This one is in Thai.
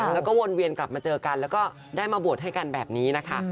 แล้วก็วนเวียนกลับมาเจอกันแล้วก็ได้มาบวชให้กันแบบนี้นะคะ